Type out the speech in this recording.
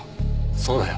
そうだよ。